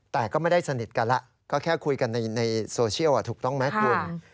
แต่ก็ไม่ได้สนิทกันแล้วก็แค่คุยกันในโซเชียลถูกต้องไหมคุณ